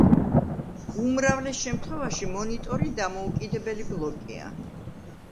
უმრავლეს შემთხვევაში მონიტორი დამოუკიდებელი ბლოკია.